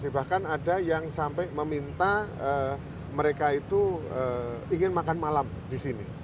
bahkan ada yang sampai meminta mereka itu ingin makan malam di sini